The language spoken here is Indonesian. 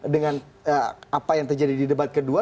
dengan apa yang terjadi di debat kedua